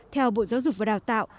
theo bộ giáo dục và đào tạo